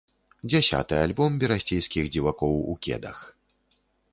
Дзясяты альбом берасцейскіх дзівакоў у кедах.